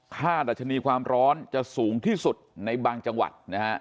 ดัชนีความร้อนจะสูงที่สุดในบางจังหวัดนะฮะ